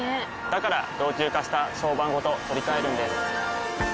から老朽化した床版ごと取り替えるんです。